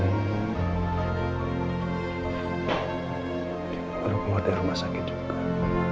kamu keluar dari rumah sakit juga